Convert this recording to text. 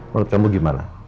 menurut kamu gimana